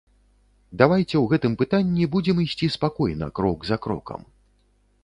Давайце ў гэтым пытанні будзем ісці спакойна, крок за крокам.